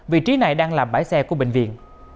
vị trí này đang làm bãi xe của bệnh viện